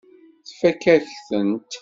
Tfakk-ak-tent.